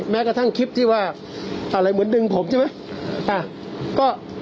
แม้กระทั่งคลิปที่ว่าอะไรเหมือนดึงผมใช่ไหม